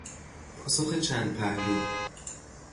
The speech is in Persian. پاسخ چند پهلو